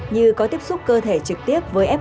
như có tiếp xúc cơ thể trực tiếp với f một